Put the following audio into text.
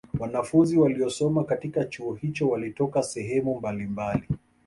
Wanafunzi waliosoma katika Chuo hicho walitoka sehemu mbalimbali